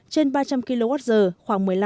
trên ba trăm linh kwh khoảng một mươi năm